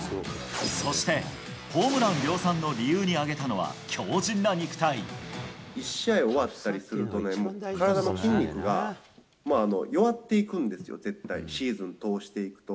そして、ホームラン量産の理１試合終わったりするとね、もう体の筋肉が、弱っていくんですよ、絶対に、シーズン通していくと。